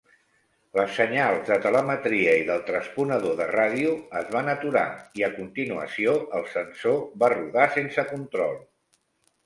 Les senyals de telemetria i del transponedor de ràdio es van aturar i, a continuació, el sensor va rodar sense control.